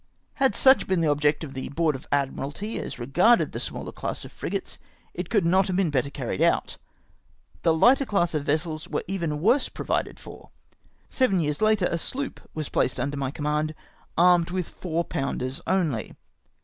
Had such been the object of the Board of Admiralty as re garded the smaller class of frigates, it could not have been better carried out. The hghter class of vessels v^ere even worse provided for. Seven years later a sloop was placed mider my command, armed with 4 pounders only.